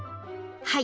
はい。